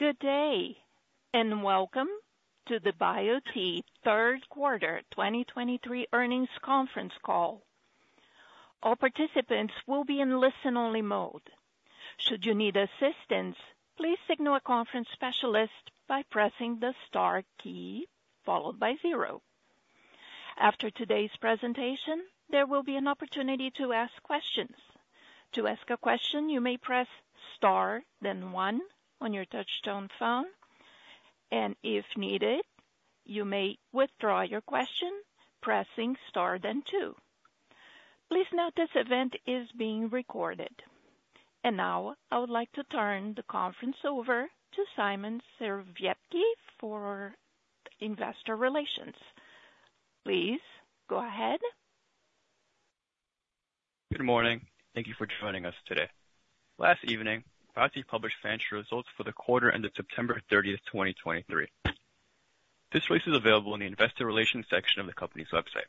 Good day, and welcome to the Biote third quarter 2023 earnings conference call. All participants will be in listen-only mode. Should you need assistance, please signal a conference specialist by pressing the star key followed by zero. After today's presentation, there will be an opportunity to ask questions. To ask a question, you may press star, then one on your touchtone phone, and if needed, you may withdraw your question, pressing star then two. Please note this event is being recorded. Now I would like to turn the conference over to Simon Serowiecki for Investor Relations. Please go ahead. Good morning. Thank you for joining us today. Last evening, Biote published financial results for the quarter ended September 30, 2023. This release is available in the investor relations section of the company's website.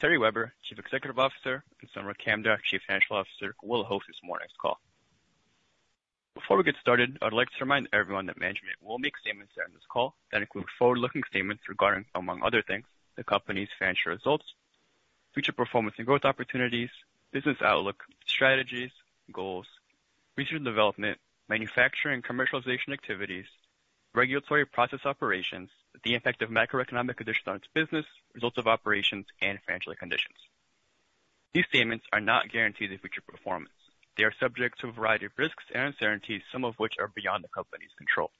Terry Weber, Chief Executive Officer, and Samar Kamdar, Chief Financial Officer, will host this morning's call. Before we get started, I'd like to remind everyone that management will make statements during this call that include forward-looking statements regarding, among other things, the company's financial results, future performance and growth opportunities, business outlook, strategies, goals, research and development, manufacturing and commercialization activities, regulatory process operations, the impact of macroeconomic conditions on its business, results of operations and financial conditions. These statements are not guarantees of future performance. They are subject to a variety of risks and uncertainties, some of which are beyond the company's control.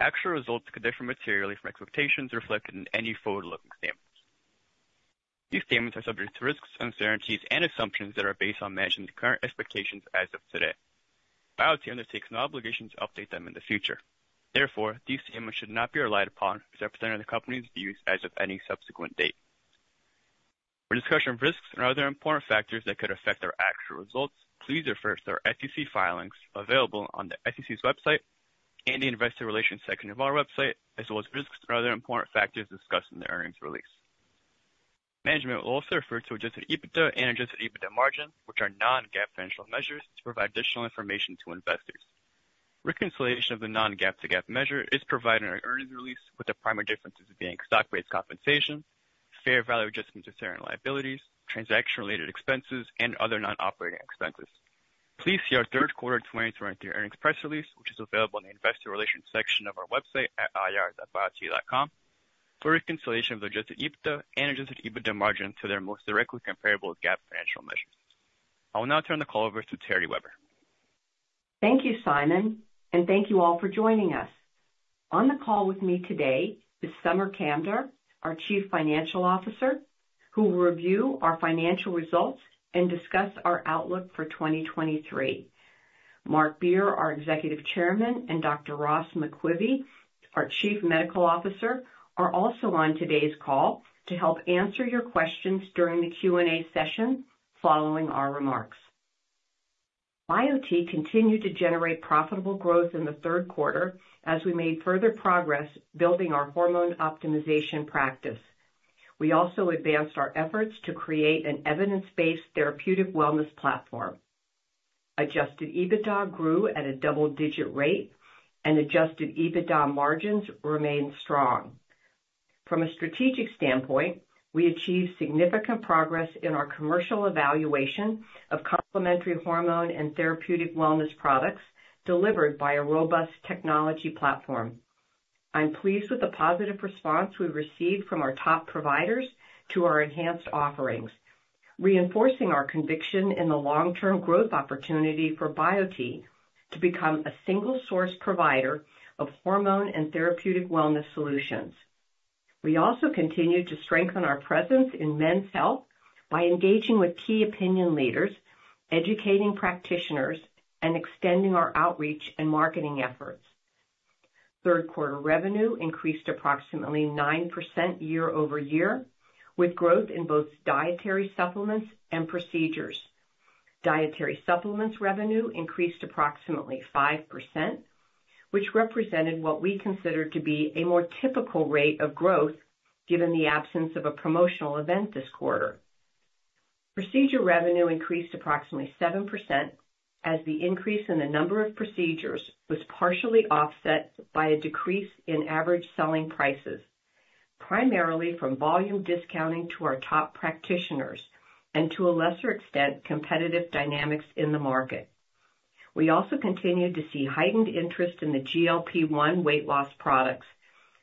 Actual results could differ materially from expectations reflected in any forward-looking statements. These statements are subject to risks, uncertainties, and assumptions that are based on management's current expectations as of today. Biote undertakes no obligation to update them in the future. Therefore, these statements should not be relied upon as representing the company's views as of any subsequent date. For discussion of risks and other important factors that could affect our actual results, please refer to our SEC filings available on the SEC's website and the investor relations section of our website, as well as risks and other important factors discussed in the earnings release. Management will also refer to Adjusted EBITDA and Adjusted EBITDA margin, which are non-GAAP financial measures, to provide additional information to investors. Reconciliation of the non-GAAP to GAAP measure is provided in our earnings release, with the primary differences being stock-based compensation, fair value adjustments to certain liabilities, transaction-related expenses, and other non-operating expenses. Please see our third quarter 2023 earnings press release, which is available in the investor relations section of our website at ir.biote.com for reconciliation of Adjusted EBITDA and Adjusted EBITDA margin to their most directly comparable GAAP financial measures. I will now turn the call over to Terry Weber. Thank you, Simon, and thank you all for joining us. On the call with me today is Samar Kamdar, our Chief Financial Officer, who will review our financial results and discuss our outlook for 2023. Marc Beer, our Executive Chairman, and Dr. Ross McQuivey, our Chief Medical Officer, are also on today's call to help answer your questions during the Q&A session following our remarks. Biote continued to generate profitable growth in the third quarter as we made further progress building our hormone optimization practice. We also advanced our efforts to create an evidence-based therapeutic wellness platform. Adjusted EBITDA grew at a double-digit rate, and adjusted EBITDA margins remained strong. From a strategic standpoint, we achieved significant progress in our commercial evaluation of complementary hormone and therapeutic wellness products delivered by a robust technology platform. I'm pleased with the positive response we've received from our top providers to our enhanced offerings, reinforcing our conviction in the long-term growth opportunity for Biote to become a single source provider of hormone and therapeutic wellness solutions. We also continued to strengthen our presence in men's health by engaging with key opinion leaders, educating practitioners, and extending our outreach and marketing efforts. Third quarter revenue increased approximately 9% year-over-year, with growth in both dietary supplements and procedures. Dietary supplements revenue increased approximately 5%, which represented what we consider to be a more typical rate of growth, given the absence of a promotional event this quarter. Procedure revenue increased approximately 7%, as the increase in the number of procedures was partially offset by a decrease in average selling prices, primarily from volume discounting to our top practitioners and, to a lesser extent, competitive dynamics in the market. We also continued to see heightened interest in the GLP-1 weight loss products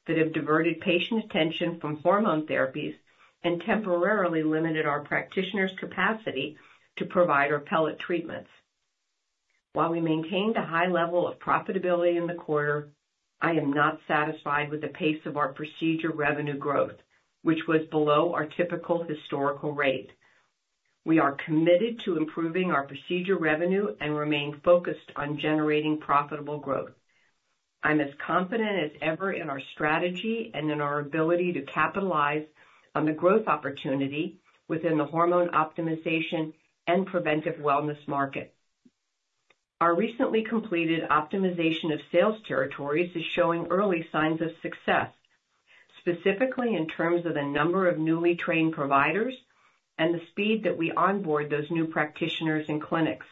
that have diverted patient attention from hormone therapies and temporarily limited our practitioners' capacity to provide our pellet treatments. While we maintained a high level of profitability in the quarter, I am not satisfied with the pace of our procedure revenue growth, which was below our typical historical rate. We are committed to improving our procedure revenue and remain focused on generating profitable growth. I'm as confident as ever in our strategy and in our ability to capitalize on the growth opportunity within the hormone optimization and preventive wellness market. Our recently completed optimization of sales territories is showing early signs of success, specifically in terms of the number of newly trained providers and the speed that we onboard those new practitioners and clinics.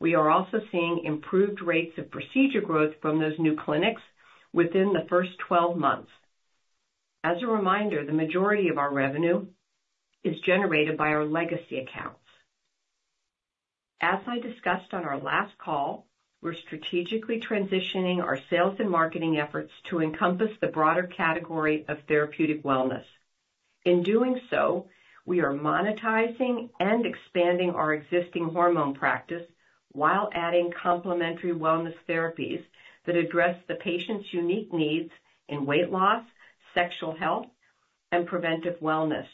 We are also seeing improved rates of procedure growth from those new clinics within the first 12 months. As a reminder, the majority of our revenue is generated by our legacy accounts. As I discussed on our last call, we're strategically transitioning our sales and marketing efforts to encompass the broader category of therapeutic wellness. In doing so, we are monetizing and expanding our existing hormone practice while adding complementary wellness therapies that address the patient's unique needs in weight loss, sexual health, and preventive wellness.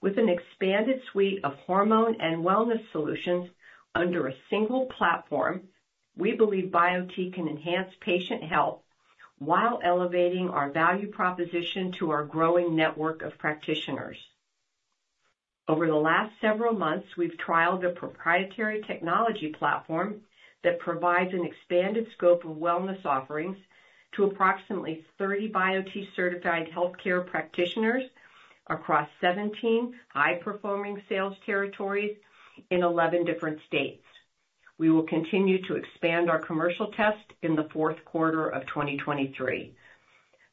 With an expanded suite of hormone and wellness solutions under a single platform, we believe Biote can enhance patient health while elevating our value proposition to our growing network of practitioners. Over the last several months, we've trialed a proprietary technology platform that provides an expanded scope of wellness offerings to approximately 30 Biote certified healthcare practitioners across 17 high-performing sales territories in 11 different states. We will continue to expand our commercial test in the fourth quarter of 2023.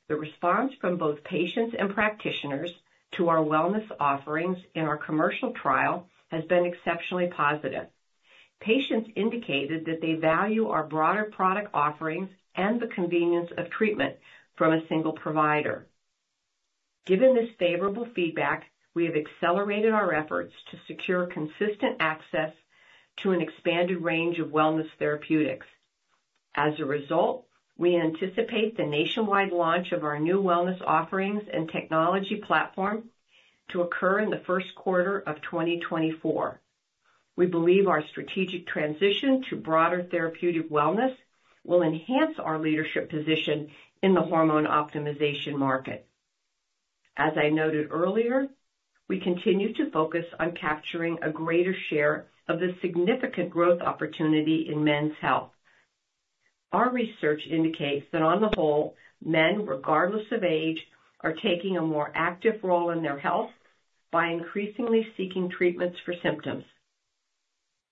The response from both patients and practitioners to our wellness offerings in our commercial trial has been exceptionally positive. Patients indicated that they value our broader product offerings and the convenience of treatment from a single provider. Given this favorable feedback, we have accelerated our efforts to secure consistent access to an expanded range of wellness therapeutics. As a result, we anticipate the nationwide launch of our new wellness offerings and technology platform to occur in the first quarter of 2024. We believe our strategic transition to broader therapeutic wellness will enhance our leadership position in the hormone optimization market. As I noted earlier, we continue to focus on capturing a greater share of the significant growth opportunity in men's health. Our research indicates that on the whole, men, regardless of age, are taking a more active role in their health by increasingly seeking treatments for symptoms.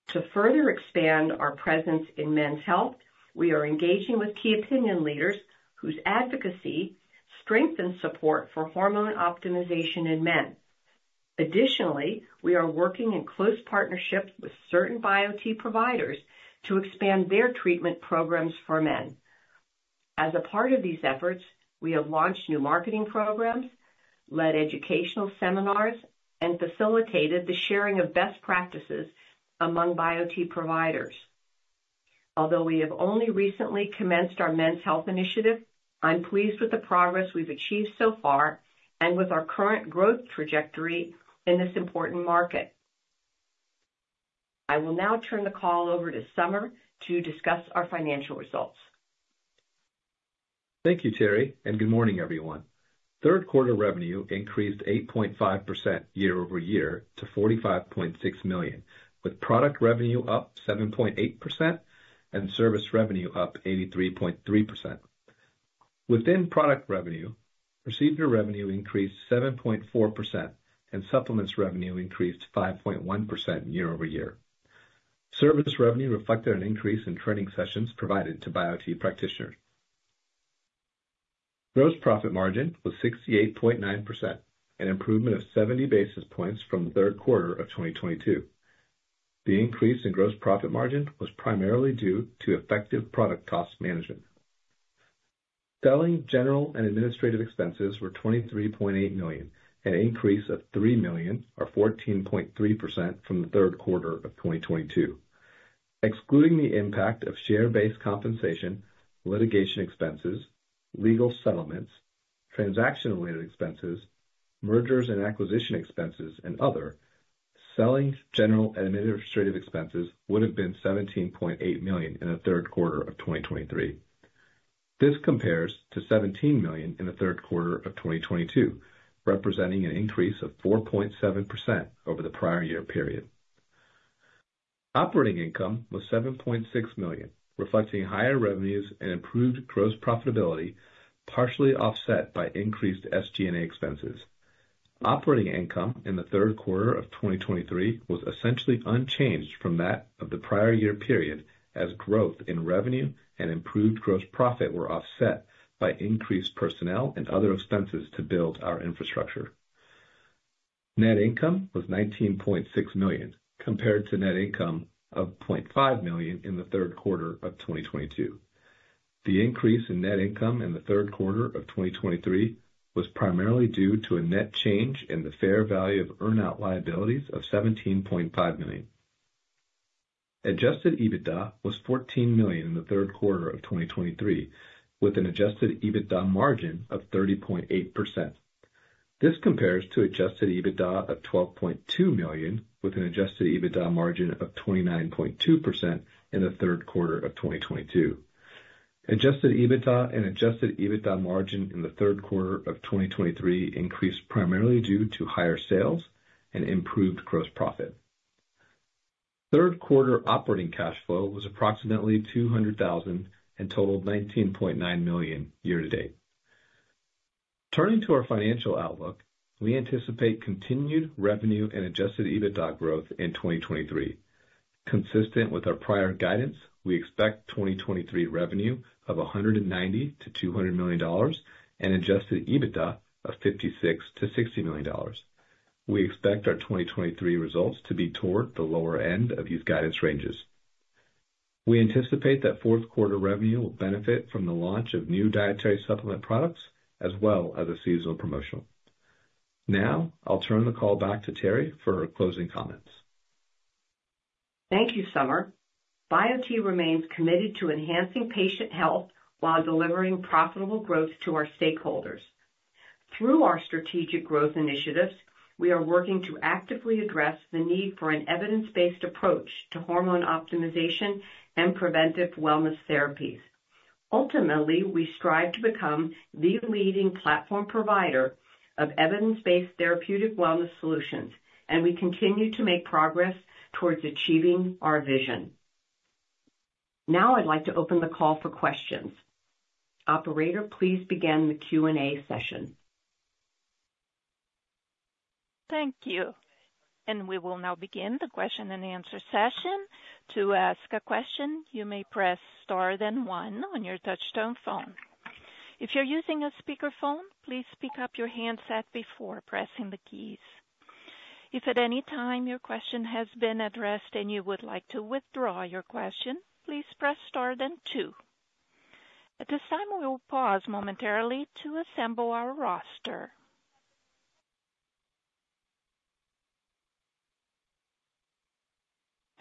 To further expand our presence in men's health, we are engaging with key opinion leaders whose advocacy strengthens support for hormone optimization in men. Additionally, we are working in close partnership with certain Biote providers to expand their treatment programs for men. As a part of these efforts, we have launched new marketing programs, led educational seminars, and facilitated the sharing of best practices among Biote providers. Although we have only recently commenced our men's health initiative, I'm pleased with the progress we've achieved so far and with our current growth trajectory in this important market. I will now turn the call over to Samar to discuss our financial results. Thank you, Terry, and good morning, everyone. Third quarter revenue increased 8.5% year over year to $45.6 million, with product revenue up 7.8% and service revenue up 83.3%. Within product revenue, procedure revenue increased 7.4%, and supplements revenue increased 5.1% year over year. Service revenue reflected an increase in training sessions provided to Biote practitioners. Gross profit margin was 68.9%, an improvement of 70 basis points from the third quarter of 2022. The increase in gross profit margin was primarily due to effective product cost management. Selling, general, and administrative expenses were $23.8 million, an increase of $3 million, or 14.3% from the third quarter of 2022. Excluding the impact of share-based compensation, litigation expenses, legal settlements, transaction-related expenses, mergers and acquisition expenses, and other, Selling, General, and Administrative expenses would have been $17.8 million in the third quarter of 2023. This compares to $17 million in the third quarter of 2022, representing an increase of 4.7% over the prior year period. Operating income was $7.6 million, reflecting higher revenues and improved gross profitability, partially offset by increased SG&A expenses. Operating income in the third quarter of 2023 was essentially unchanged from that of the prior year period, as growth in revenue and improved gross profit were offset by increased personnel and other expenses to build our infrastructure. Net income was $19.6 million, compared to net income of $0.5 million in the third quarter of 2022. The increase in net income in the third quarter of 2023 was primarily due to a net change in the fair value of earn-out liabilities of $17.5 million. Adjusted EBITDA was $14 million in the third quarter of 2023, with an adjusted EBITDA margin of 30.8%. This compares to adjusted EBITDA of $12.2 million, with an adjusted EBITDA margin of 29.2% in the third quarter of 2022. Adjusted EBITDA and adjusted EBITDA margin in the third quarter of 2023 increased primarily due to higher sales and improved gross profit.... Third quarter operating cash flow was approximately $200,000 and totaled $19.9 million year-to-date. Turning to our financial outlook, we anticipate continued revenue and adjusted EBITDA growth in 2023. Consistent with our prior guidance, we expect 2023 revenue of $190 million-$200 million and Adjusted EBITDA of $56 million-$60 million. We expect our 2023 results to be toward the lower end of these guidance ranges. We anticipate that fourth quarter revenue will benefit from the launch of new dietary supplement products as well as a seasonal promotion. Now, I'll turn the call back to Terry for her closing comments. Thank you, Samar. Biote remains committed to enhancing patient health while delivering profitable growth to our stakeholders. Through our strategic growth initiatives, we are working to actively address the need for an evidence-based approach to hormone optimization and preventive wellness therapies. Ultimately, we strive to become the leading platform provider of evidence-based therapeutic wellness solutions, and we continue to make progress towards achieving our vision. Now I'd like to open the call for questions. Operator, please begin the Q&A session. Thank you. We will now begin the question-and-answer session. To ask a question, you may press star then one on your touchtone phone. If you're using a speakerphone, please pick up your handset before pressing the keys. If at any time your question has been addressed and you would like to withdraw your question, please press star then two. At this time, we will pause momentarily to assemble our roster.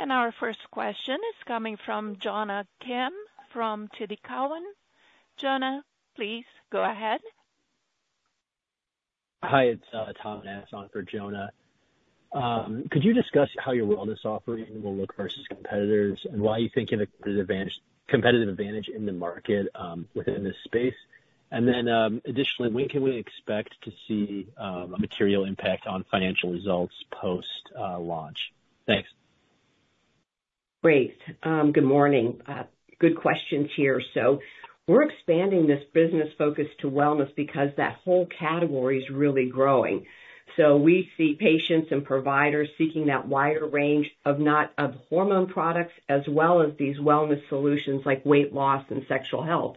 Our first question is coming from Jonna Kim from TD Cowen. Jonna, please go ahead. Hi, it's Thomas on for Jonah. Could you discuss how your wellness offering will look versus competitors and why you think it has advantage- competitive advantage in the market, within this space? And then, additionally, when can we expect to see a material impact on financial results post launch? Thanks. Great. Good morning. Good questions here. So we're expanding this business focus to wellness because that whole category is really growing. So we see patients and providers seeking that wider range of not, of hormone products, as well as these wellness solutions like weight loss and sexual health.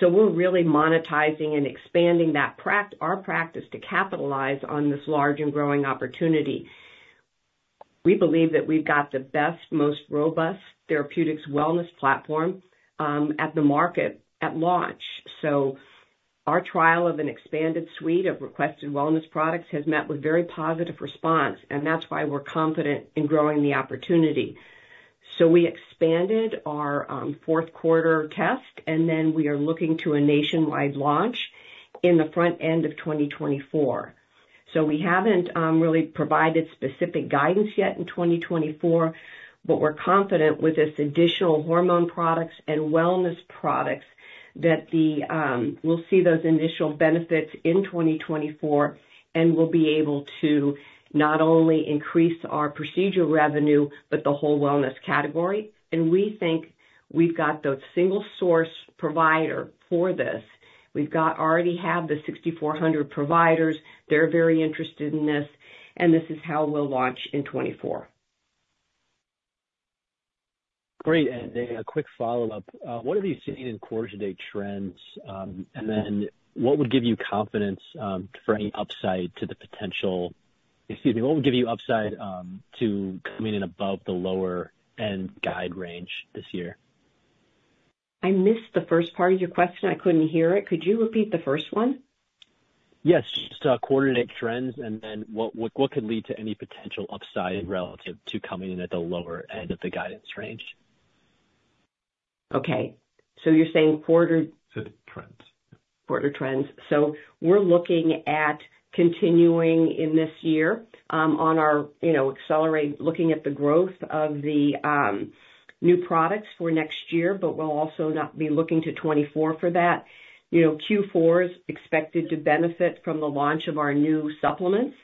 So, we're really monetizing and expanding that our practice to capitalize on this large and growing opportunity. We believe that we've got the best, most robust therapeutics wellness platform at the market at launch. So our trial of an expanded suite of requested wellness products has met with very positive response, and that's why we're confident in growing the opportunity. So we expanded our fourth quarter test, and then we are looking to a nationwide launch in the front end of 2024. We haven't really provided specific guidance yet in 2024, but we're confident with this additional hormone products and wellness products that we'll see those initial benefits in 2024, and we'll be able to not only increase our procedure revenue, but the whole wellness category. We think we've got the single source provider for this. We've got already have the 6,400 providers. They're very interested in this, and this is how we'll launch in 2024. Great. And a quick follow-up. What are you seeing in quarter-to-date trends? And then what would give you confidence for any upside to the potential... Excuse me, what would give you upside to coming in above the lower end guide range this year? I missed the first part of your question. I couldn't hear it. Could you repeat the first one? Yes, just, quarter to date trends and then what, what, what could lead to any potential upside relative to coming in at the lower end of the guidance range? Okay, so you're saying quarter- To the trends. Quarter trends. So we're looking at continuing in this year, on our, you know, accelerate, looking at the growth of the, new products for next year, but we'll also not be looking to 2024 for that. You know, Q4 is expected to benefit from the launch of our new supplements.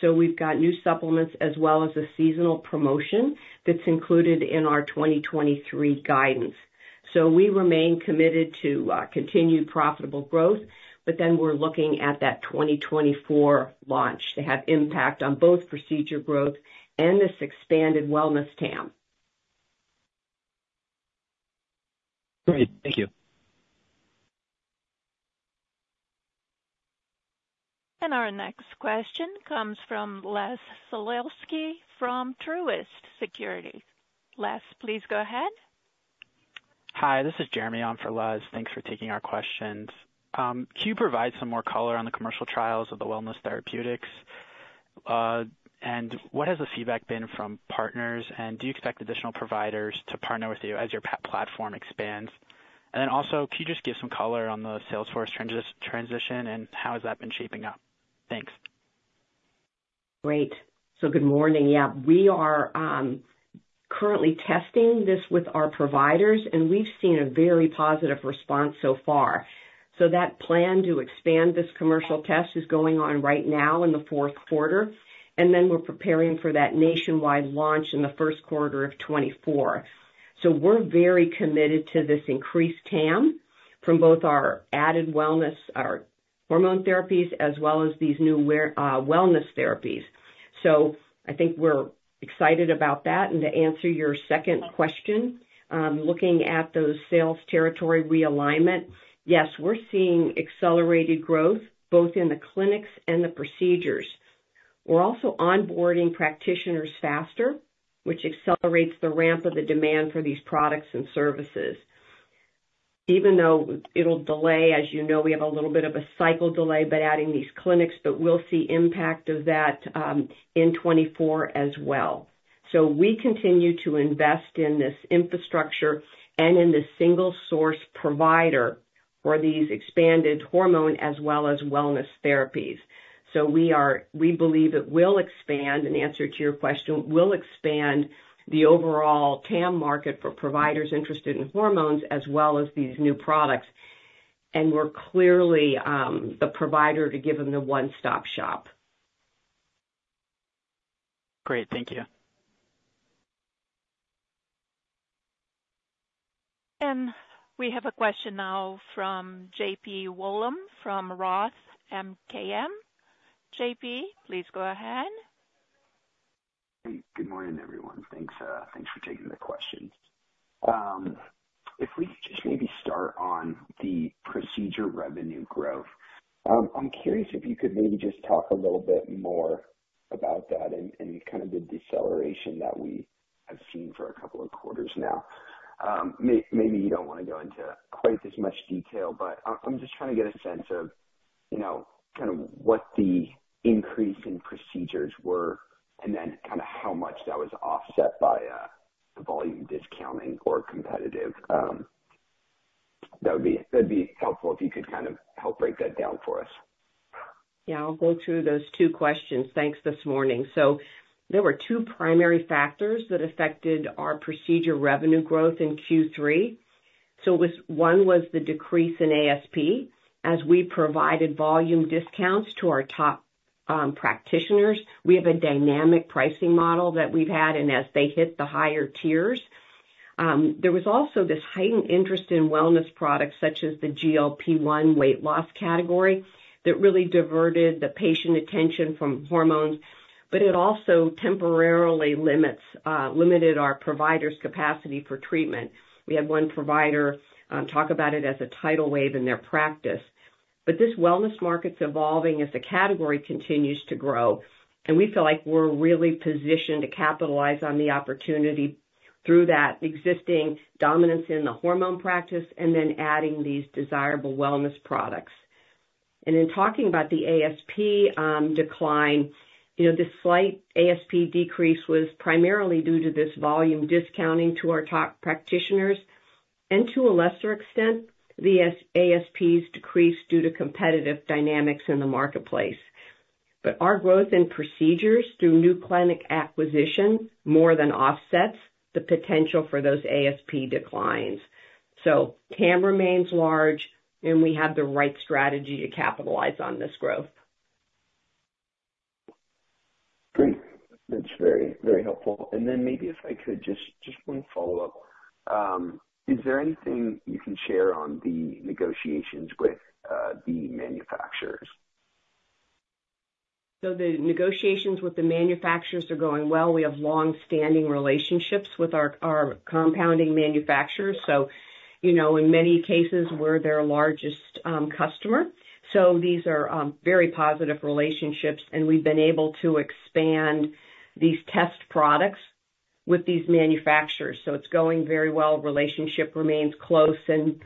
So we've got new supplements as well as a seasonal promotion that's included in our 2023 guidance. So, we remain committed to, continued profitable growth, but then we're looking at that 2024 launch to have impact on both procedure growth and this expanded wellness TAM. Great. Thank you. Our next question comes from Les Sulewski from Truist Securities. Les, please go ahead. Hi, this is Jeremy on for Les. Thanks for taking our questions. Can you provide some more color on the commercial trials of the wellness therapeutics? And what has the feedback been from partners, and do you expect additional providers to partner with you as your platform expands? And then also, can you just give some color on the sales force transition and how has that been shaping up? Thanks. Great. So good morning. Yeah, we are currently testing this with our providers, and we've seen a very positive response so far. So that plan to expand this commercial test is going on right now in the fourth quarter, and then we're preparing for that nationwide launch in the first quarter of 2024. So we're very committed to this increased TAM from both our added wellness, our hormone therapies, as well as these new wellness therapies. So I think we're excited about that. And to answer your second question, looking at those sales territory realignment, yes, we're seeing accelerated growth both in the clinics and the procedures. We're also onboarding practitioners faster, which accelerates the ramp of the demand for these products and services. Even though it'll delay, as you know, we have a little bit of a cycle delay by adding these clinics, but we'll see impact of that in 2024 as well. We continue to invest in this infrastructure and in this single source provider for these expanded hormone as well as wellness therapies. We believe it will expand, in answer to your question, will expand the overall TAM market for providers interested in hormones as well as these new products. We're clearly the provider to give them the one-stop shop. Great. Thank you. We have a question now from J.P. Wollam, from Roth MKM. J.P., please go ahead. Hey, good morning, everyone. Thanks, thanks for taking the questions. If we could just maybe start on the procedure revenue growth. I'm curious if you could maybe just talk a little bit more about that and, and kind of the deceleration that we have seen for a couple of quarters now. Maybe you don't want to go into quite as much detail, but I, I'm just trying to get a sense of, you know, kind of what the increase in procedures were and then kind of how much that was offset by the volume discounting or competitive... That would be, that'd be helpful if you could kind of help break that down for us. Yeah, I'll go through those two questions. Thanks this morning. So there were two primary factors that affected our procedure revenue growth in Q3. One was the decrease in ASP as we provided volume discounts to our top practitioners. We have a dynamic pricing model that we've had, and as they hit the higher tiers. There was also this heightened interest in wellness products such as the GLP-1 weight loss category that really diverted the patient attention from hormones, but it also temporarily limited our providers' capacity for treatment. We had one provider talk about it as a tidal wave in their practice. But this wellness market's evolving as the category continues to grow, and we feel like we're really positioned to capitalize on the opportunity through that existing dominance in the hormone practice and then adding these desirable wellness products. In talking about the ASP decline, you know, this slight ASP decrease was primarily due to this volume discounting to our top practitioners, and to a lesser extent, the ASPs decreased due to competitive dynamics in the marketplace. But our growth in procedures through new clinic acquisition more than offsets the potential for those ASP declines. So TAM remains large, and we have the right strategy to capitalize on this growth. Great. That's very, very helpful. And then maybe if I could, just one follow-up. Is there anything you can share on the negotiations with the manufacturers? So the negotiations with the manufacturers are going well. We have long-standing relationships with our compounding manufacturers, so, you know, in many cases, we're their largest customer. So these are very positive relationships, and we've been able to expand these test products with these manufacturers, so it's going very well. Relationship remains close, and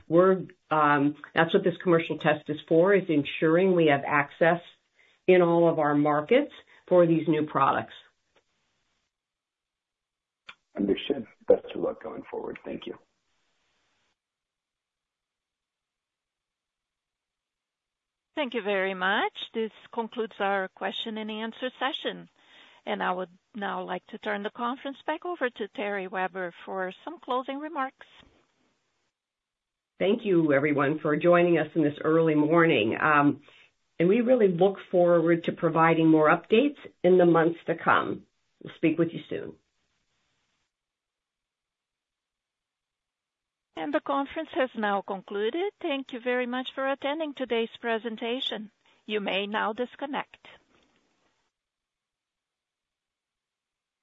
that's what this commercial test is for, is ensuring we have access in all of our markets for these new products. Understood. Best of luck going forward. Thank you. Thank you very much. This concludes our question-and-answer session, and I would now like to turn the conference back over to Terry Weber for some closing remarks. Thank you, everyone, for joining us in this early morning. We really look forward to providing more updates in the months to come. We'll speak with you soon. The conference has now concluded. Thank you very much for attending today's presentation. You may now disconnect.